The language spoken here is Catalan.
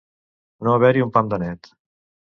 No haver-hi un pam de net.